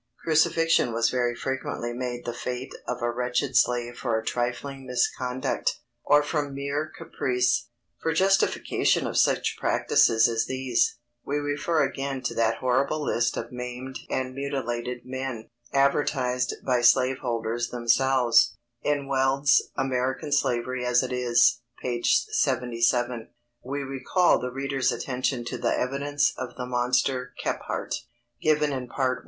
Crucifixion was very frequently made the fate of a wretched slave for a trifling misconduct, or from mere caprice._ For justification of such practices as these, we refer again to that horrible list of maimed and mutilated men, advertised by slaveholders themselves, in Weld's American Slavery as It Is, p. 77. We recall the reader's attention to the evidence of the monster Kephart, given in Part I.